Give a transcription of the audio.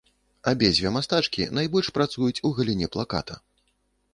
Абедзве мастачкі найбольш працуюць у галіне плаката.